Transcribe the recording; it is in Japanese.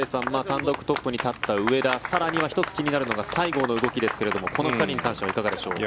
単独トップに立った上田更には１つ気になるのが西郷の動きですがこの２人に関してはいかがでしょう？